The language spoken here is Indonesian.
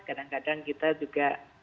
kadang kadang kita juga